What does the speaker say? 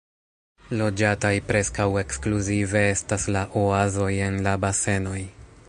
Loĝataj preskaŭ ekskluzive estas la oazoj en la basenoj.